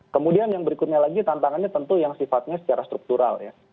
kemudian yang berikutnya lagi tantangannya tentu yang sifatnya secara struktural ya